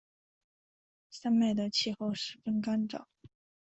山脉的气候十分干燥。